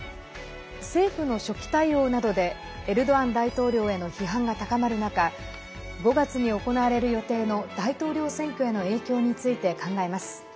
政府の初期対応などでエルドアン大統領への批判が高まる中、５月に行われる予定の大統領選挙への影響について考えます。